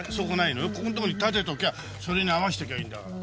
ここのとこに立てときゃそれに合わせていきゃいいんだから。